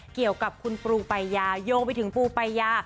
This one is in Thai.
เกี่ยวกับคุณปูปายาโยงไปถึงปูปายา